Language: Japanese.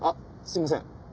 すいません。